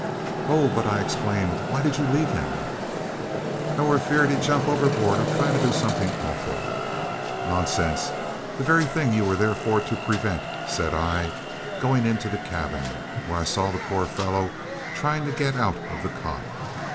"Oh, but," I exclaimed, "why did you leave him?" "I wor afeard he'd jump overboard, or try to do somethink awful!" "Nonsense! the very thing you are there for to prevent," said I, going into the cabin, where I saw the poor fellow trying to get out of the cot.